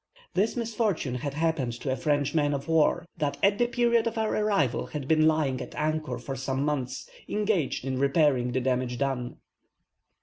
This misfortune had happened to a French man of war, that at the period of our arrival had been lying at anchor for some months, engaged in repairing the damage done.